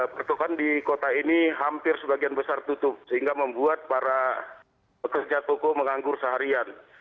pertokohan di kota ini hampir sebagian besar tutup sehingga membuat para pekerja toko menganggur seharian